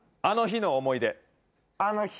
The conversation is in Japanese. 「あの日の思い出」